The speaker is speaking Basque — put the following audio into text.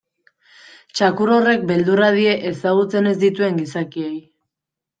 Txakur horrek beldurra die ezagutzen ez dituen gizakiei.